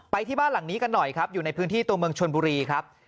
ที่บ้านหลังนี้กันหน่อยครับอยู่ในพื้นที่ตัวเมืองชนบุรีครับ